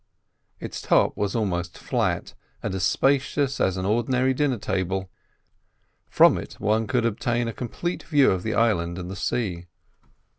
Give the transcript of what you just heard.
Its top was almost flat, and as spacious as an ordinary dinner table. From it one could obtain a complete view of the island and the sea.